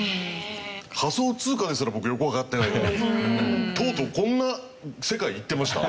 仮想通貨ですら僕よくわかってないのにとうとうこんな世界行ってました？